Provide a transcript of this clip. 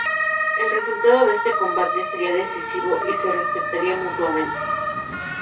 El resultado de este combate sería decisivo y se respetaría mutuamente.